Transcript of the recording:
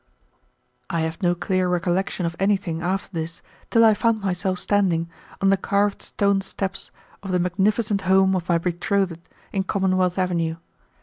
I have no clear recollection of anything after this till I found myself standing on the carved stone steps of the magnificent home of my betrothed in Commonwealth Avenue.